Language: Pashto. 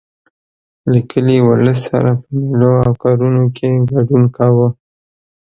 له کلي ولس سره په مېلو او کارونو کې ګډون کاوه.